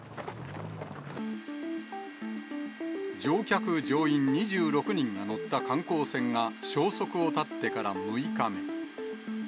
乗客・乗員２６人が乗った観光船が、消息を絶ってから６日目。